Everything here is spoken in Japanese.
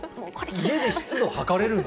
家で湿度測れるの？